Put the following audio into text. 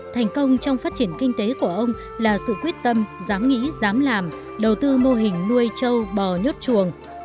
thành công trong phát triển kinh tế của ông là sự quyết tâm dám nghĩ dám làm đầu tư mô hình nuôi trâu bò nhốt chuồng